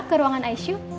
ke ruangan icu